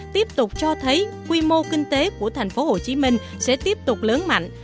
tiếp tục cho thấy quy mô kinh tế của tp hcm sẽ tiếp tục lớn mạnh